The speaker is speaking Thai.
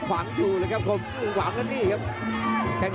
โหโหโหโหโหโหโหโหโหโหโหโหโหโหโหโหโห